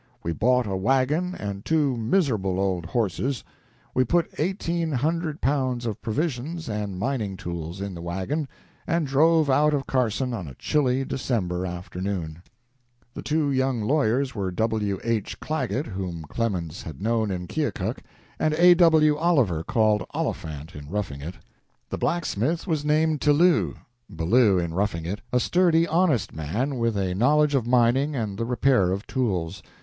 We bought a wagon and two miserable old horses. We put eighteen hundred pounds of provisions and mining tools in the wagon and drove out of Carson on a chilly December afternoon.." The two young lawyers were W. H. Clagget, whom Clemens had known in Keokuk, and A. W. Oliver, called Oliphant in "Roughing It." The blacksmith was named Tillou (Ballou in "Roughing It"), a sturdy, honest man with a knowledge of mining and the repair of tools.